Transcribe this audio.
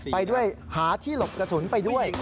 ไปด้วยหาที่หลบกระสุนไปด้วย